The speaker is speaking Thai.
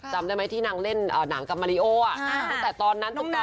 จำได้ไหมที่นางเล่นนางกับมาริโออะตั้งแต่ตอนนั้นตรงตอนนี้